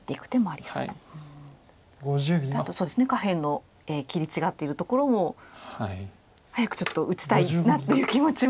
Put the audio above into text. あと下辺の切り違ってるところも早くちょっと打ちたいなっていう気持ちも。